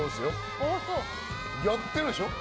やってるでしょ？